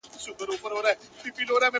خیال دي راځي خو لکه خوب غوندي په شپه تېرېږي.!